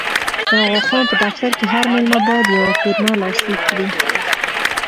د اغا خان په دفتر کې هر مېلمه باید یوه فورمه لاسلیک کړي.